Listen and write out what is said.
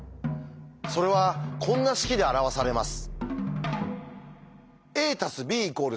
それはこんな式で表されます。